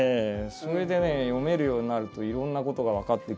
それでね読めるようになるといろんなことが分かってきて。